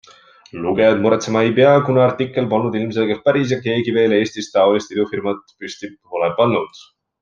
Lugejad muretsema ei pea, kuna artikkel polnud ilmselgelt päris ja keegi veel Eestist taolist idufirmat püsti pole pannud.